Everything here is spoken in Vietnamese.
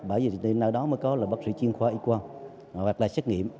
bởi vì nào đó mới có bác sĩ chuyên khoa x quang hoặc là xét nghiệm